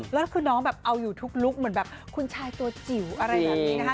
แล้วคือน้องแบบเอาอยู่ทุกลุคเหมือนแบบคุณชายตัวจิ๋วอะไรแบบนี้นะคะ